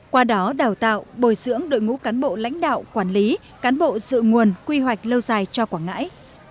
qua đó đào tạo bồi dưỡng đội ngũ cán bộ lãnh đạo quản lý cán bộ dự nguồn quy hoạch lâu dài cho quảng ngãi